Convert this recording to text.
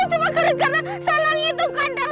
cuma gara gara salang itu kandang